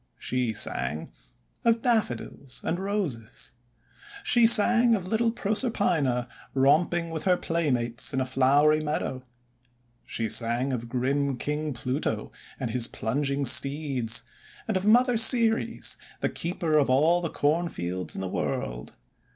She sang of Daffodils and Roses. She sang of little Proserpina romping with her playmates in a flowery meadow. She sang of grim King Pluto and his plunging steeds, and of Mother Ceres the Keeper of all the Corn fields in the World.